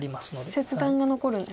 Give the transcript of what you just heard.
ちょっと切断が残るんですね。